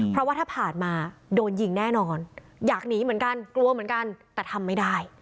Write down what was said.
เพราะว่าถ้าผ่านมาโดนยิงแน่นอนอยากหนีเหมือนกันกลัวเหมือนกันแต่ทำไม่ได้